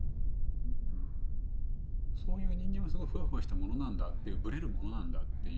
そういう人間はすごいふわふわしたものなんだっていうぶれるものなんだっていう。